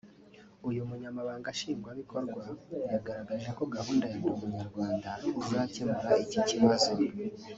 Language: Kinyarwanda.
Umunyamabanga Nshingwabikorwa yagaragaje ko gahunda ya Ndi Umunyarwanda izakemura iki kibazo